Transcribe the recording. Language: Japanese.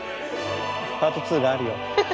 パート２があるよ。